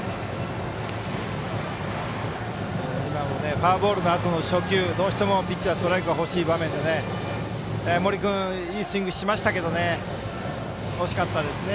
フォアボールのあとの初球どうしてもピッチャーストライクが欲しい場面で森君、いいスイングしましたけど惜しかったですね。